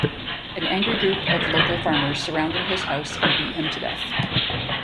An angry group of local farmers surrounded his house and beat him to death.